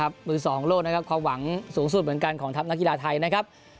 มือสองโลกนะครับความหวังสูงสุดเหมือนกันของทัพนักกีฬาไทยนะครับ